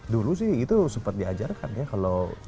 dulu sih itu sempat diajarkan ya